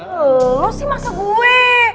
itu sih masa gue